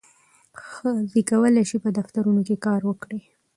ښځې کولی شي په دفترونو کې کار وکړي.